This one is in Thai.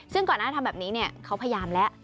ซึ่งก่อนหน้าทำแบบนี้เขาพยายามแล้ว